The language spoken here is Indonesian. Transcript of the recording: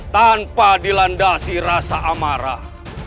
tanpa dilandasi rasa amarah